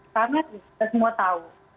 karena kita semua tahu